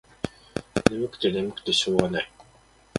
ねむくてねむくてしょうがない。